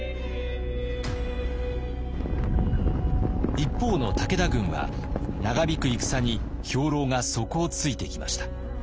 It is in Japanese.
一方の武田軍は長引く戦に兵糧が底をついてきました。